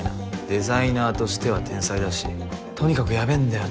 デザイナーとしては天才だしとにかくヤベェんだよ